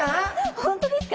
本当ですか？